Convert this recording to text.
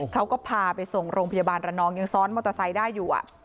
เขาก็พาไปส่งโรงพยาบาลระนองยังซ้อนมอเตอร์ไซค์ได้อยู่